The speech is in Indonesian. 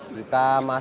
kita masih menunggu